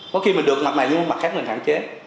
có khi mình được lập này nhưng mặt khác mình hạn chế